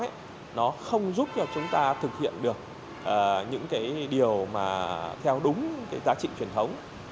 thì nó không giúp cho chúng ta thực hiện được những cái điều mà theo đúng cái giá trị truyền thống